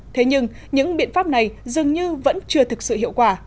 thế nhưng những biện pháp này dường như vẫn chưa thực sự hiệu quả